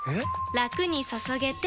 ラクに注げてペコ！